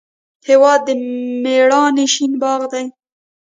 هېواد د میړانې شین باغ دی.